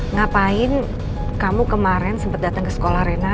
ngapain kamu kemarin sempet dateng ke sekolah rena